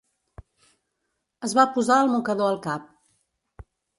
Es va posar el mocador al cap